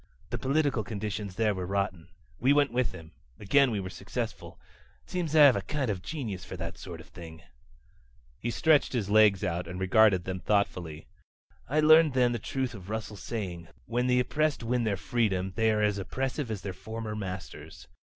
The political conditions there were rotten. We went with him. Again we were successful. It seems I have a kind of genius for that sort of thing." He stretched out his legs and regarded them thoughtfully. "I learned then the truth of Russell's saying: 'When the oppressed win their freedom they are as oppressive as their former masters.'